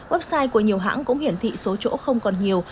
website của nhiều hãng cũng hiển thị số chỗ không còn nhiều